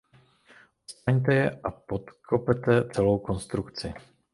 Odstraňte je a podkopete celou konstrukci.